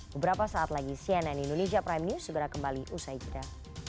beberapa saat lagi cnn indonesia prime news segera kembali usai jeda